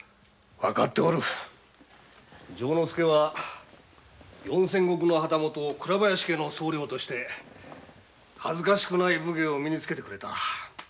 分かっておる丈之助は四千石の旗本倉林家の跡取りとして恥ずかしくない武芸を身につけた。